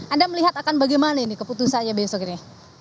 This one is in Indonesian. anda melihat akan bagaimana ini keputusannya besok ini